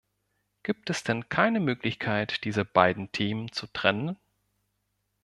Gibt es denn keine Möglichkeit, diese beiden Themen zu trennen?